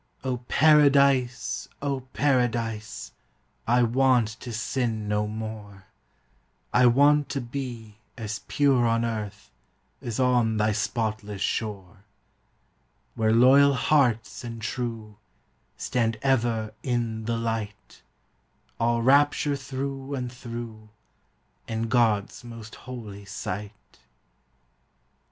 O Paradise, O Paradise, I want to sin no more, I want to be as pure on earth As on thy spotless shore; Where loyal hearts and true Stand ever in the light, All rapture through and through, In God's most holy sight.